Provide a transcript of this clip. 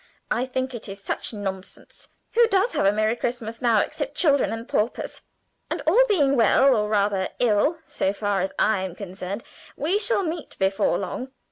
I think it is such nonsense. Who does have a merry Christmas now, except children and paupers? And, all being well or rather ill, so far as I am concerned we shall meet before long.